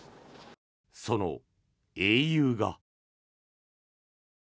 その英雄が。